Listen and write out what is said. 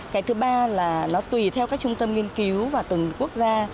cái thứ ba là nó tùy theo các trung tâm nghiên cứu và tuần quốc gia